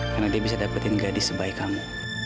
karena dia bisa dapatin gadis sebaik kamu